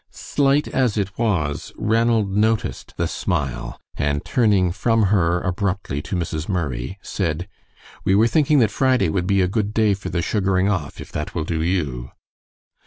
Slight as it was, Ranald noticed the smile, and turning from her abruptly to Mrs. Murray, said: "We were thinking that Friday would be a good day for the sugaring off, if that will do you."